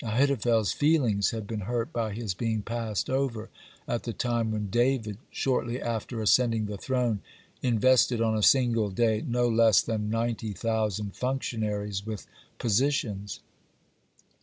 Ahithophel's feelings had been hurt by his being passed over at the time when David, shortly after ascending the throne, invested, on a single day, no less than ninety thousand functionaries with positions.